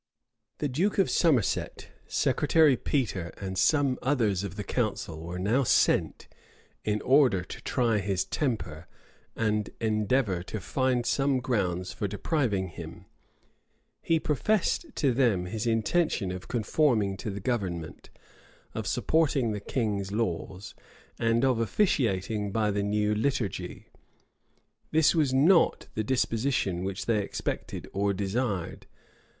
The duke of Somerset, Secretary Petre, and some others of the council, were now sent, in order to try his temper, and endeavor to find some grounds for depriving him: he professed to them his intention of conforming to the government, of supporting the king's laws, and of officiating by the new liturgy. This was not the disposition which they expected or desired.